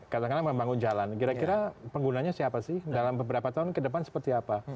katakanlah membangun jalan kira kira penggunanya siapa sih dalam beberapa tahun ke depan seperti apa